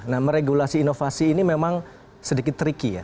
nah meregulasi inovasi ini memang sedikit tricky ya